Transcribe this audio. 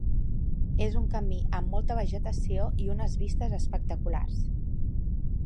És un camí amb molta vegetació i unes vistes espectaculars.